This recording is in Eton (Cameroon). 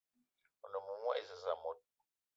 One moumoua e zez mot